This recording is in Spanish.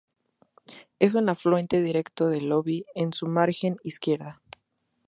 Es un afluente directo del Obi en su margen izquierda.